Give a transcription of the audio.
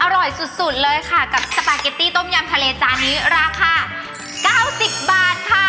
อร่อยสุดเลยค่ะกับสปาเกตตี้ต้มยำทะเลจานนี้ราคา๙๐บาทค่ะ